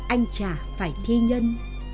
anh chả phải thi nhân